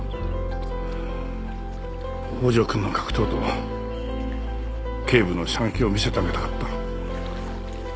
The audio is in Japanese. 北条くんの格闘と警部の射撃を見せてあげたかった。